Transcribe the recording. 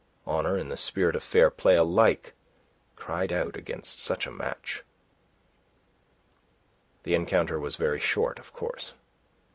Honour and the spirit of fair play alike cried out against such a match. The encounter was very short, of course.